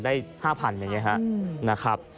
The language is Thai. ได้๕๐๐๐บาทอย่างนี้นะครับ